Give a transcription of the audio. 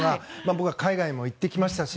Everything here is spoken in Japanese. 僕は海外にも行きましたし。